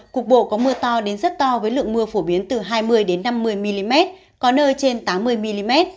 cục bộ có mưa to đến rất to với lượng mưa phổ biến từ hai mươi năm mươi mm có nơi trên tám mươi mm